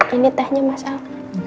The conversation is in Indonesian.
ini tehnya mas al